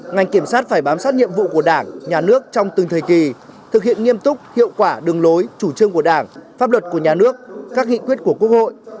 ngành kiểm sát phải bám sát nhiệm vụ của đảng nhà nước trong từng thời kỳ thực hiện nghiêm túc hiệu quả đường lối chủ trương của đảng pháp luật của nhà nước các nghị quyết của quốc hội